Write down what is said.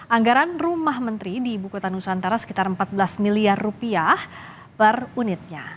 anggaran rumah menteri di ibu kota nusantara sekitar empat belas miliar rupiah per unitnya